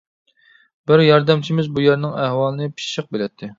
بىر ياردەمچىمىز بۇ يەرنىڭ ئەھۋالىنى پىششىق بىلەتتى.